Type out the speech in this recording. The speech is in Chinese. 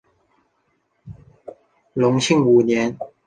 隆庆五年。